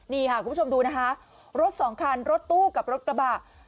นี่ค่ะคุณผู้ชมดูนะคะรถสองคันรถตู้กับรถกระบะ